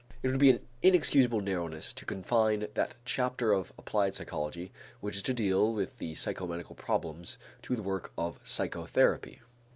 It would be an inexcusable narrowness to confine that chapter of applied psychology which is to deal with the psychomedical problems to the work of psychotherapy.